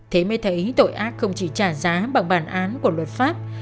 thế mới thấy tội ác không chỉ trả giá bằng bản án của luật pháp